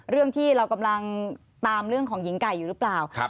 เรื่องที่เรากำลังตามเรื่องของหญิงไก่อยู่หรือเปล่า